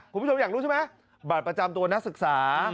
คุณผู้ชมอยากรู้ใช่ไหมบัตรประจำตัวนักศึกษา